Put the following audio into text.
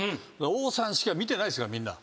王さんしか見てないですからみんな。